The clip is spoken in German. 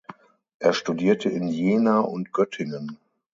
Er studierte in Jena und Göttingen.